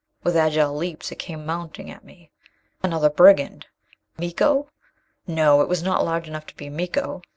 With agile leaps, it came mounting at me! Another brigand! Miko? No, it was not large enough to be Miko.